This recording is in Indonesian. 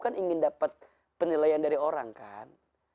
kan ingin dapat penilaian dari orang kan